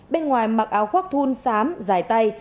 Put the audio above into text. bên ngoài mặc áo khoác thun sám dài tay